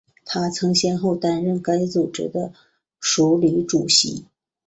她曾先后担任该组织的署理主席。